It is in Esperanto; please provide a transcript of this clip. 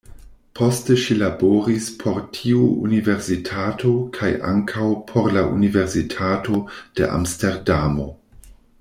Poste ŝi laboris por tiu universitato kaj ankaŭ por la Universitato de Amsterdamo.